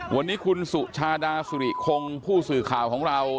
วันนี้คุณสุชาดาสุริคงผู้สื่อข่าวของเรา